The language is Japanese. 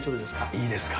いいですか？